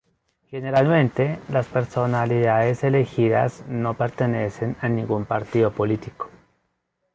Generalmente, las personalidades elegidas no pertenecen a ningún partido político.